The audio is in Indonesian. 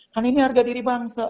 karena ini harga diri bangsa